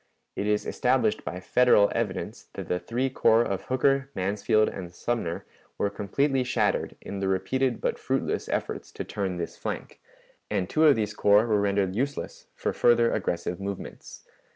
It is established by Federal evidence that the three corps of Hooker, Mansfield, and Sumner were completely shattered in the repeated but fruitless efforts to turn this flank, and two of these corps were rendered useless for further aggressive movements.